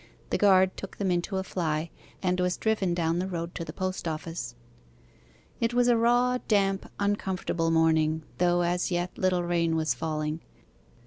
The guard took them into a fly, and was driven down the road to the post office. It was a raw, damp, uncomfortable morning, though, as yet, little rain was falling.